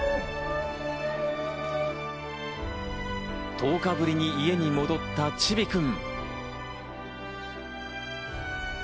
１０日ぶりに家に戻ったちびくん。